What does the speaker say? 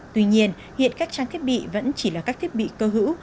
tuy nhiên hiện các trang thiết bị vẫn chỉ là các thiết bị cơ hữu